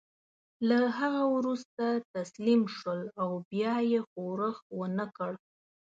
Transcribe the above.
له هغه وروسته تسلیم شول او بیا یې ښورښ ونه کړ.